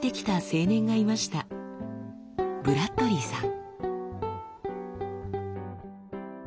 ブラッドリーさん。